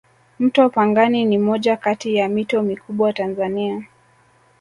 mto pangani ni moja Kati ya mito mikubwa tanzania